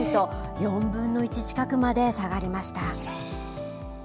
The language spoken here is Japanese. ４分の１近くまで下がりました。